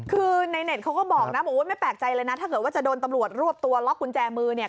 คือในเน็ตเขาก็บอกนะบอกว่าไม่แปลกใจเลยนะถ้าเกิดว่าจะโดนตำรวจรวบตัวล็อกกุญแจมือเนี่ย